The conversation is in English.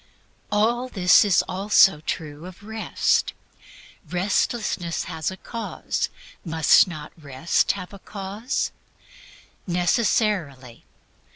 All this is also true of Rest. Restlessness has a cause: must not Rest have a cause? Necessarily.